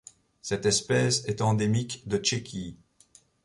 Cette espèce est endémique de Tchéquie.